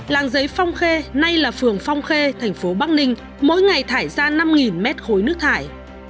làng giấy phong khê nay là phường phong khê thành phố bắc ninh mỗi ngày thải ra năm mét khối nước thải